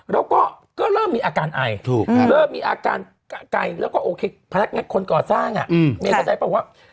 แล้วก็เริ่มมีอาการไอเริ่มมีอาการไก่แล้วก็โอเคพนักงักคนก่อสร้างอ่ะ